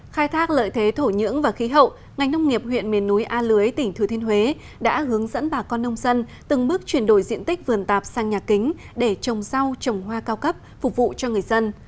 khai thác lợi thế thổ nhưỡng và khí hậu ngành nông nghiệp huyện miền núi a lưới tỉnh thừa thiên huế đã hướng dẫn bà con nông dân từng bước chuyển đổi diện tích vườn tạp sang nhà kính để trồng rau trồng hoa cao cấp phục vụ cho người dân